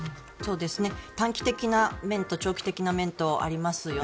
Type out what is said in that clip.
短期的な面と長期的な面とありますよね。